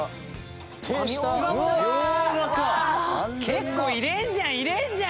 結構入れるじゃん入れるじゃん。